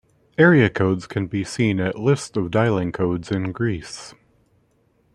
Area codes can be seen at List of dialing codes in Greece.